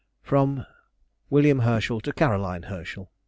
FROM W. HERSCHEL TO CAROLINE HERSCHEL.